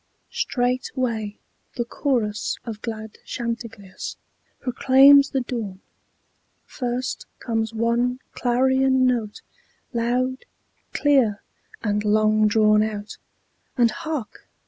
Straightway the chorus of glad chanticleers Proclaims the dawn. First comes one clarion note, Loud, clear, and long drawn out; and hark!